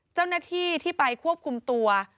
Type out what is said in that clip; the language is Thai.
เจ้าหน้าที่ที่ไปควบคุมตัว